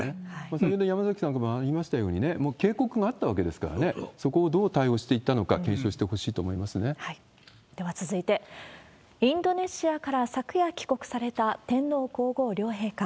先ほど山崎さんからもありましたようにね、警告があったわけですからね、そこをどう対応していったのか、では続いて、インドネシアから昨夜帰国された天皇皇后両陛下。